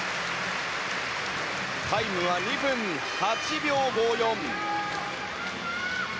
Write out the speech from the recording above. タイムは２分８秒５４。